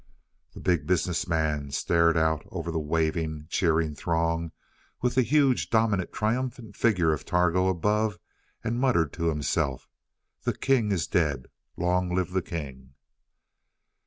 The Big Business Man stared out over the waving, cheering throng, with the huge, dominant, triumphant figure of Targo above and muttered to himself, "The king is dead; long live the king."